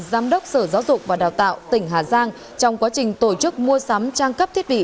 giám đốc sở giáo dục và đào tạo tỉnh hà giang trong quá trình tổ chức mua sắm trang cấp thiết bị